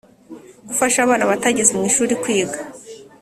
Gufasha abana batageze mu ishuri kwiga